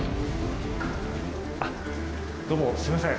どうもすいません。